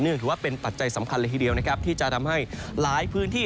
ถือว่าเป็นปัจจัยสำคัญเลยทีเดียวนะครับที่จะทำให้หลายพื้นที่